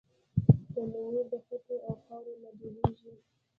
تنور د خټو او خاورو نه جوړېږي